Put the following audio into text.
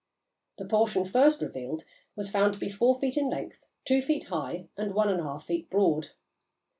The portion first revealed was found to be four feet in length, two feet high, and one and a half feet broad.